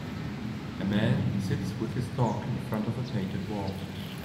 A man sits with his dog in front of a painted wall.